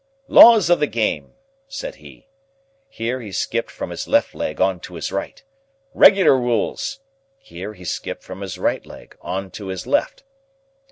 "Laws of the game!" said he. Here, he skipped from his left leg on to his right. "Regular rules!" Here, he skipped from his right leg on to his left.